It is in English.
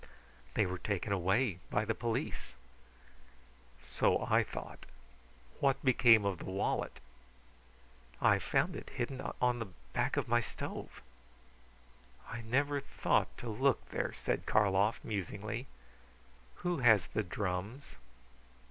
"They were taken away the police." "So I thought. What became of the wallet?" "I found it hidden on the back of my stove." "I never thought to look there," said Karlov, musingly. "Who has the drums?"